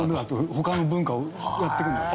他の文化をやってくなって。